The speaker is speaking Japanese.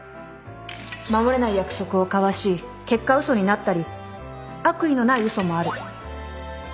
守れない約束を交わし結果嘘になったり悪意のない嘘もある。